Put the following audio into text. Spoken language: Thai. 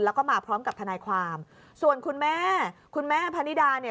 แล้วก็มาพร้อมกับทนายความส่วนคุณแม่คุณแม่พนิดาเนี่ย